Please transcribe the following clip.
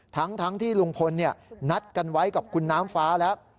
ทั้งที่ลุงพลนัดกันไว้กับคุณน้ำฟ้าแล้ว